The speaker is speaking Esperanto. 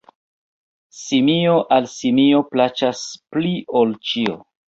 Simio al simio plaĉas pli ol ĉio.